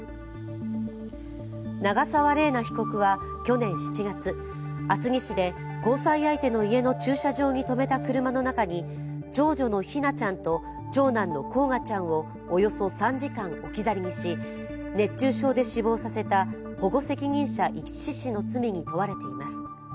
長沢麗奈被告は去年７月、厚木市で交際相手の家の駐車場に止めた車の中に長女の姫梛ちゃんと長男の煌翔ちゃんをおよそ３時間、置き去りにし熱中症で死亡させた保護責任者遺棄致死の罪に問われています。